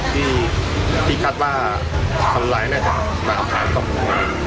พี่คัดว่าฆัลไลน์ก็จะมาเอาขาดกับพ่อ